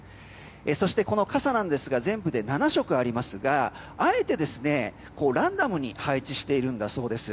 そして、この傘ですが全部で７色ありますがあえてランダムに配置しているんだそうです。